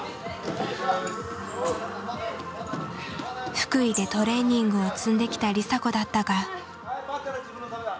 福井でトレーニングを積んできた梨紗子だったが。